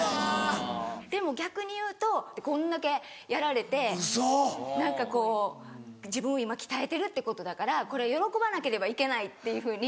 でも逆にいうとこんだけやられて何かこう自分を今鍛えてるってことだからこれは喜ばなければいけないっていうふうに。